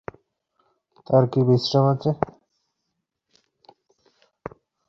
তার কি বিশ্রাম আছে।